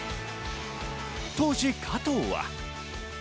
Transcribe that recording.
当時、加藤は。